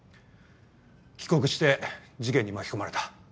帰国して事件に巻き込まれた。